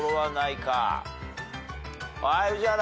はい宇治原。